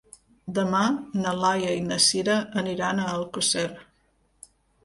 Demà na Laia i na Sira aniran a Alcosser.